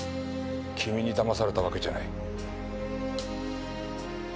君にだまされたわけじゃない。